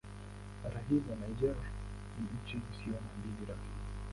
Hata hivyo Niger ni nchi isiyo na dini rasmi.